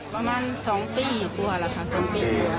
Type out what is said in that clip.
ประมาณสองปีกว่าละค่ะสองปีก